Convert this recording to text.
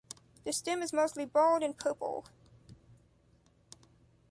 The stem is mostly bald and purple.